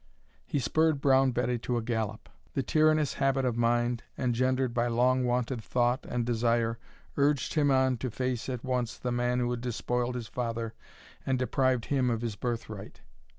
He spurred Brown Betty to a gallop. The tyrannous habit of mind engendered by long wonted thought and desire urged him on to face at once the man who had despoiled his father and deprived him of his birthright.